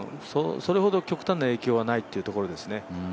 それほど極端な影響はないというところですね。